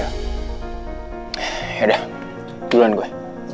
yaudah duluan gue